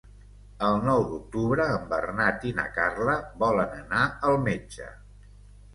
El nou d'octubre en Bernat i na Carla volen anar al metge.